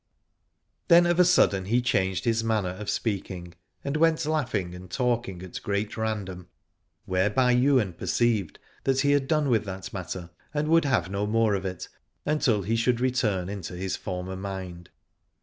Then of a sudden he changed his manner 105 Alad ore of speaking, and went laughing and talking at great random : whereby Ywain perceived that he had done with that matter, and would have no more of it, until he should return into his former mind.